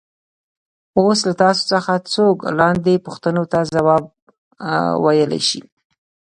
اوس له تاسو څخه څوک لاندې پوښتنو ته ځواب ویلای شي.